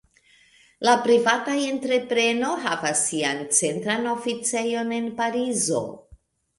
La privata entrepreno havas sian centran oficejon en Parizo.